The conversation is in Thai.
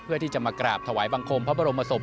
เพื่อที่จะมากราบถวายบังคมพระบรมศพ